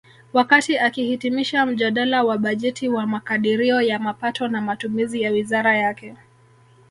Wakati akihitimisha mjadala wa bajeti wa makadirio ya mapato na matumizi ya wizara yake